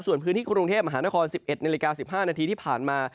ส่วนพื้นที่กรุงเทพมหานคร๑๑นาฬิกา๑๕นาทีที่ผ่านมา